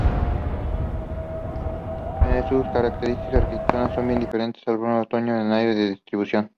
Sus características arquitectónicas son bien diferentes: el bulevar Oroño tiene un aire de distinción.